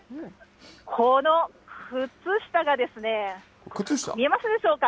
この靴下がですね、見えますでしょうか？